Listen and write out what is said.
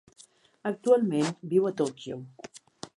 Actualment viu a Tòquio.